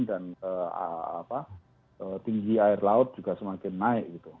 dan tinggi air laut juga semakin naik